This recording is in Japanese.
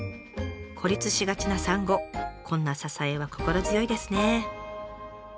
孤立しがちな産後こんな支えは心強いですね。